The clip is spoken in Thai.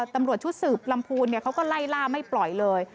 ตำรวจชุดสืบลำพูนเขาก็ไล่ล่าไม่ปล่อยเลย